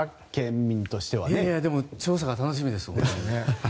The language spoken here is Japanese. でも調査が楽しみです。